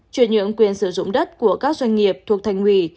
chuyển nhưỡng quyền sử dụng đất của các doanh nghiệp thuộc thành quỷ